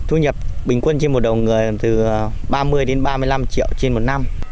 thu nhập bình quân trên một đầu người từ ba mươi đến ba mươi năm triệu trên một năm